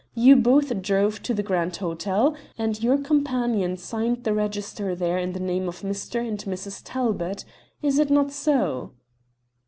You both drove to the Grand Hotel, and your companion signed the register there in the names of Mr. and Mrs. Talbot; is it not so?"